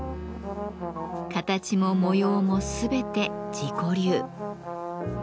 形も模様も全て自己流。